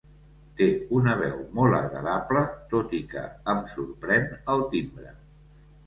Té una veu molt agradable tot i que em sorprèn el timbre.